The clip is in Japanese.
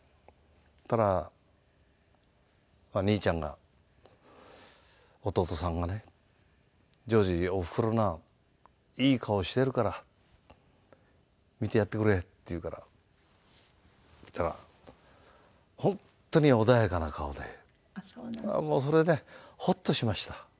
そしたら兄ちゃんが弟さんがね「譲二おふくろないい顔してるから見てやってくれ」って言うから見たら本当に穏やかな顔でもうそれでホッとしました。